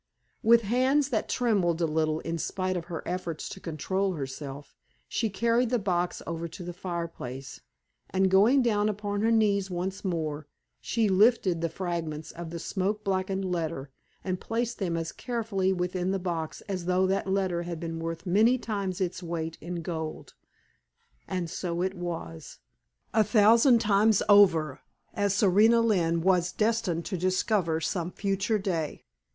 With hands that trembled a little in spite of her efforts to control herself, she carried the box over to the fireplace, and going down upon her knees once more, she lifted the fragments of the smoke blackened letter and placed them as carefully within the box as though that letter had been worth many times its weight in gold. And so it was. A thousand times over, as Serena Lynne was destined to discover some future day.